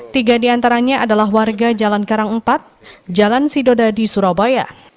tiga diantaranya adalah warga jalan karang empat jalan sidoda di surabaya